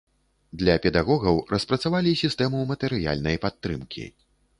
Для педагогаў распрацавалі сістэму матэрыяльнай падтрымкі.